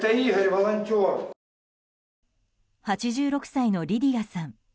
８６歳のリディアさん。